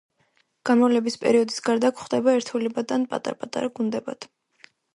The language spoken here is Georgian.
გამრავლების პერიოდის გარდა გვხვდება ერთეულებად ან პატარ-პატარა გუნდებად.